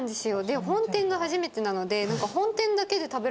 本店が初めてなので。